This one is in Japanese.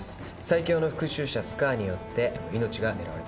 最強の復讐者スカーによって命が狙われます。